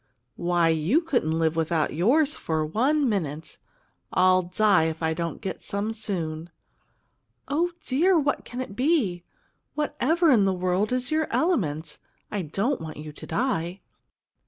"Why, you couldn't live without yours for one minute! I'll die if I don't get some soon!" "Oh, dear, what can it be? Whatever in the world is your element? I don't want you to die!"